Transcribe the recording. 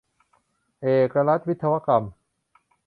เอกรัฐวิศวกรรม